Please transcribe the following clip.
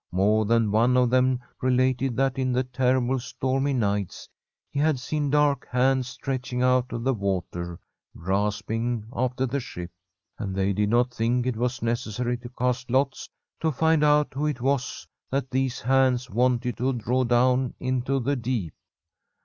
More than one of them related that in the terrible stormy nights he had seen dark hands stretching out of the water, grasping after the ship. And they did not think it was necessary to cast lots to find out who it was that these hands wanted to draw down into the deep.